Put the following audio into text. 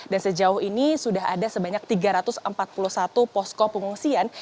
dan sejauh ini sudah ada sebanyak tiga ratus empat puluh satu posko pengungsian